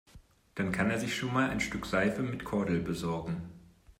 Dann kann er sich schon einmal ein Stück Seife mit Kordel besorgen.